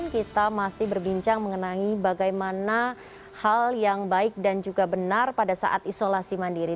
kita masih berbincang mengenai bagaimana hal yang baik dan juga benar pada saat isolasi mandiri